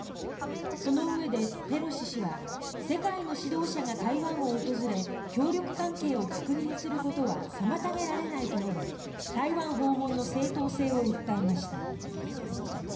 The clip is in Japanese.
そのうえでペロシ氏は世界の指導者が台湾を訪れ協力関係を確認することは妨げられないと述べ台湾訪問の正当性を訴えました。